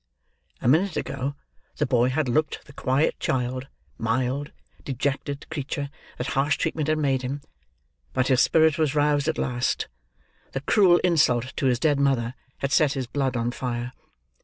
A minute ago, the boy had looked the quiet child, mild, dejected creature that harsh treatment had made him. But his spirit was roused at last; the cruel insult to his dead mother had set his blood on fire.